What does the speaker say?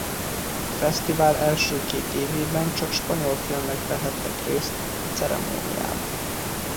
A fesztivál első két évében csak spanyol filmek vehettek részt a ceremónián.